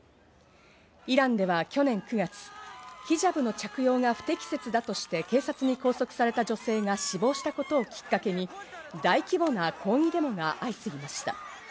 イランでは去年９月、ヒジャブの着用が不適切だとして、警察に拘束された女性が死亡したことをきっかけに大規模な抗議デモが相次ぎました。